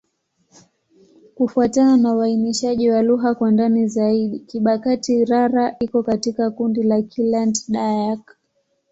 Kufuatana na uainishaji wa lugha kwa ndani zaidi, Kibakati'-Rara iko katika kundi la Kiland-Dayak.